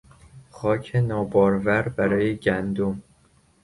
خاک نابارور برای گندم